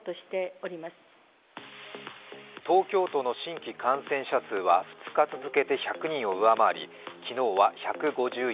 東京都の新規感染者数は２日続けて１００人を上回り、昨日は１５１人。